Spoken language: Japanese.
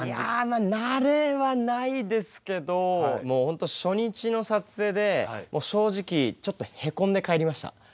いや慣れはないですけどもう本当初日の撮影で正直ちょっとへこんで帰りました。